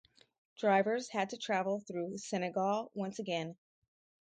Drivers had to travel through Senegal once again.